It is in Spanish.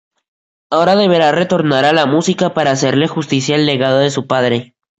Ahora deberá retornar a la música para hacerle justicia al legado de su padre.